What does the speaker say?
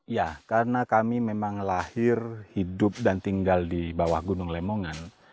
ya karena kami memang lahir hidup dan tinggal di bawah gunung lemongan